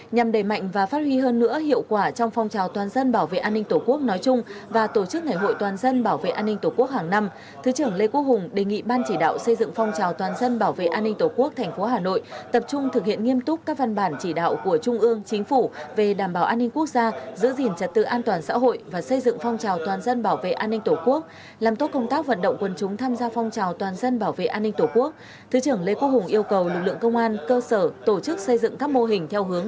nhằm đẩy mạnh và phát huy hơn nữa hiệu quả trong phong trào toàn dân bảo vệ an ninh tổ quốc nói chung và tổ chức ngày hội toàn dân bảo vệ an ninh tổ quốc hàng năm thứ trưởng lê quốc hùng đề nghị ban chỉ đạo xây dựng phong trào toàn dân bảo vệ an ninh tổ quốc thành phố hà nội tập trung thực hiện nghiêm túc các văn bản chỉ đạo của trung ương chính phủ về đảm bảo an ninh quốc gia giữ gìn trật tự an toàn xã hội và xây dựng phong trào toàn dân bảo vệ an ninh tổ quốc làm tốt công tác vận động quân chúng tham gia phong trào toàn dân